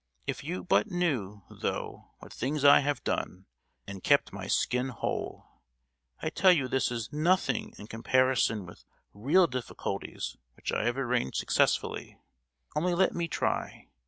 if you but knew, though, what things I have done, and kept my skin whole! I tell you this is nothing in comparison with real difficulties which I have arranged successfully. Only let me try.